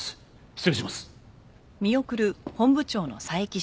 失礼します。